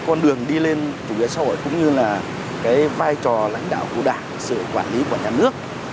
con đường đi lên chủ nghĩa xã hội cũng như là cái vai trò lãnh đạo của đảng sự quản lý của nhà nước